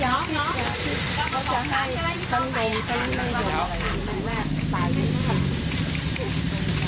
เขาจะให้ฉันดมฉันไม่ดมอะไรแล้วคุณแม่ตายด้วยกัน